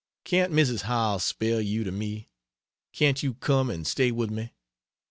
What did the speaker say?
Can't Mrs. Howells spare you to me? Can't you come and stay with me?